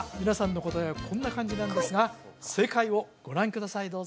皆さんの答えはこんな感じなんですが正解をご覧ください